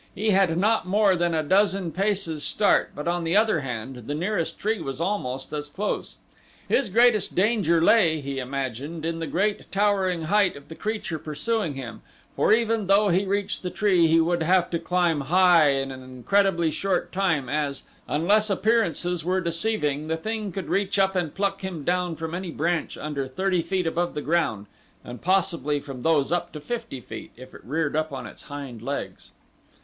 He had not more than a dozen paces start, but on the other hand the nearest tree was almost as close. His greatest danger lay, he imagined, in the great, towering height of the creature pursuing him, for even though he reached the tree he would have to climb high in an incredibly short time as, unless appearances were deceiving, the thing could reach up and pluck him down from any branch under thirty feet above the ground, and possibly from those up to fifty feet, if it reared up on its hind legs.